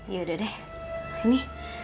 yaudah deh sini